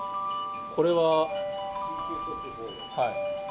これは？